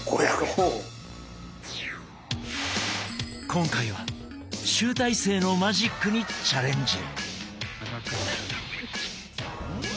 今回は集大成のマジックにチャレンジ！